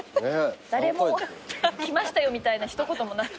誰も来ましたよみたいな一言もなく。